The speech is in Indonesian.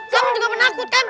kamu juga menakutkan